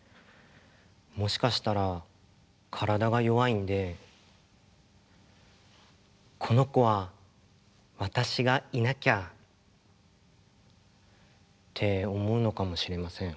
もしかしたら体が弱いんで「この子は私がいなきゃ」って思うのかもしれません。